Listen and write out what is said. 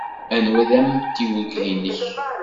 Anwa ay d amtiweg-nnek?